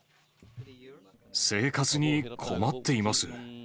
生活に困っています。